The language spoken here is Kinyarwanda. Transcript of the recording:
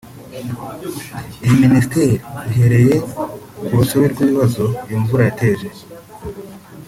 Iyi Minisiteri yahereye ku rusobe rw’ibabazo iyo imvura yateje